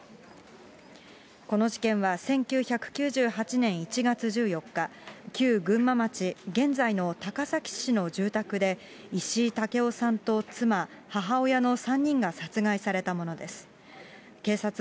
この事件は１９９８年１月１４日、旧群馬町、現在の高崎市の住宅で、石井武夫さんと妻、母親の３人が殺害されたものです。